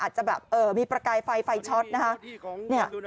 อาจจะแบบมีประกายไฟไฟช็อตนะคะ